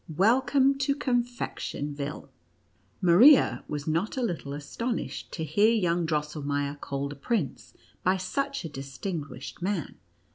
welcome to Confectionville !" Maria was not a little astonished to hear young Drosselmeier called a prince by such a distinguished man.